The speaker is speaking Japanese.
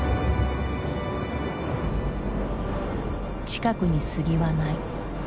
近くに杉はない。